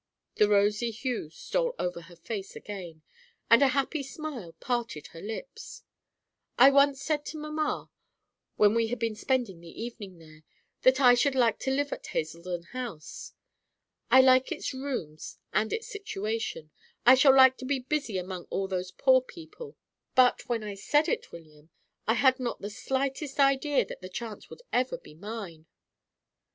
The rosy hue stole over her face again, and a happy smile parted her lips. "I once said to mamma, when we had been spending the evening there, that I should like to live at Hazeldon House. I like its rooms and its situation; I shall like to be busy among all those poor old people, but, when I said it, William, I had not the slightest idea that the chance would ever be mine."